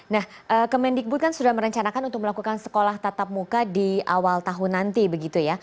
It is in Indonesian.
nah kemendikbud kan sudah merencanakan untuk melakukan sekolah tatap muka di awal tahun nanti begitu ya